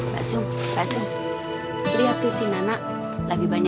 sampai jumpa di video selanjutnya